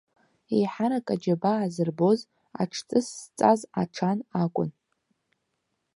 Еиҳарак аџьабаа азырбоз аҽҵыс зҵаз аҽан акәын.